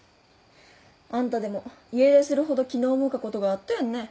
あんたでも家出するほど気の重かことがあっとやんね。